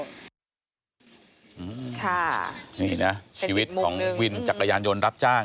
นี่นี่น่ะชีวิตของวินจักรยานโยนรับจ้าง